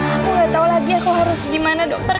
aku gak tau lagi aku harus dimana dokter